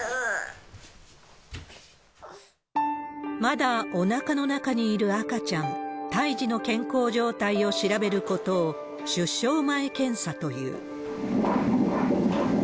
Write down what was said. まだおなかの中にいる赤ちゃん、胎児の健康状態を調べることを、出生前検査という。